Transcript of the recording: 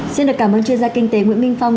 xin được cảm ơn chuyên gia kinh tế nguyễn minh phong